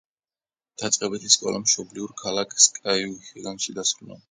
დაწყებითი სკოლა მშობლიურ ქალაქ სკაუჰიგანში დაასრულა.